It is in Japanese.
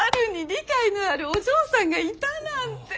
理解のあるお嬢さんがいたなんて。